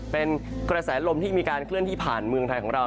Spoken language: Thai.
เป็นกระแสลมที่มีการเคลื่อนที่ผ่านเมืองไทยของเรา